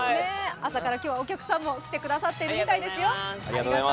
朝からお客さんも来てくださっているみたいですよ。